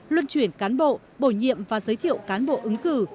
luân chuyển cán bộ bổ nhiệm và giới thiệu cán bộ ứng cử